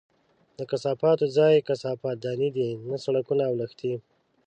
د کثافاتو ځای کثافت دانۍ دي، نه سړکونه او لښتي!